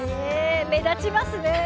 目立ちますね。